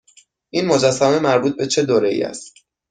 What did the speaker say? این مجسمه مربوط به چه دوره ای است؟